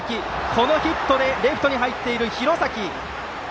このヒットでレフトに入っている廣崎。